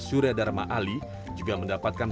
surya dharma ali juga mendapatkan